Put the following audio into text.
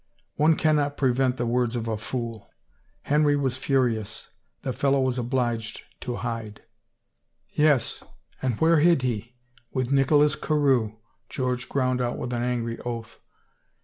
" One cannot prevent the words of a fool ! Henry was furious. The fellow was obliged to hide." 312 RUMORS " Yes, and where hid he ? With Nicholas Carewe," George ground out with an angry oath.